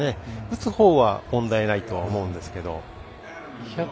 打つほうは問題ないとは思うんですが。